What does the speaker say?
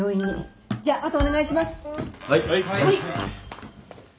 はい。